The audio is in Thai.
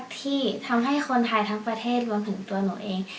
ที่ทำให้คนไทยทั้งประเทศรวมถึงตัวหนูเอง